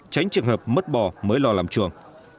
tránh trường hợp mất bò mới lo làm chuồng